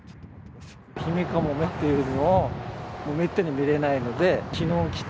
ヒメカモメっていうのを、めったに見れないので、きのう来て。